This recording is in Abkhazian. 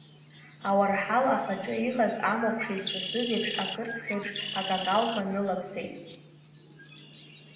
Ауарҳал ахаҿы иҟаз амахә ширҵысыз еиԥш, акырцх еиԥш акакалқәа нылаԥсеит.